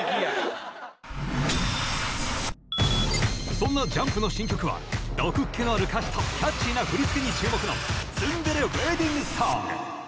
そんなジャンプの新曲は毒っ気のある歌詞とキャッチーな振り付けに注目のツンデレウエディングソング！